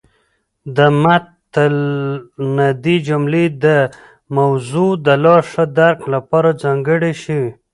د مط الندې جملې د موضوع د لاښه درک لپاره ځانګړې شوې.